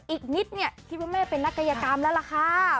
อีกนิดเนี่ยคิดว่าแม่เป็นนักกายกรรมแล้วล่ะค่ะ